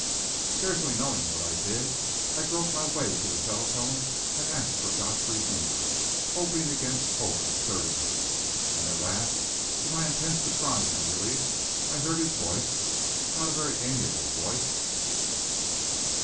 Scarcely knowing what I did, I groped my way to the telephone and asked for Godfrey's number hoping against hope absurdly and at last, to my intense surprise and relief, I heard his voice not a very amiable voice....